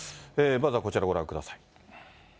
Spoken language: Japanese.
まずはこちらご覧ください。